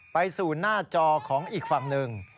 ไปสู่หน้าจอของอีกฝั่งหนึ่ง